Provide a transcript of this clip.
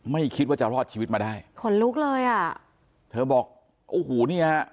ไม่คิดว่าจะรอดชีวิตมาได้ขนลุกเลยอ่ะเธอบอกโอ้โหนี่ฮะ